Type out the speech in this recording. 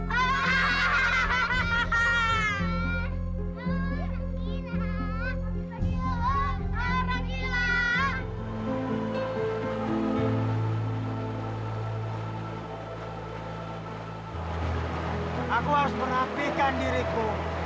aku harus berhati hati dengan diriku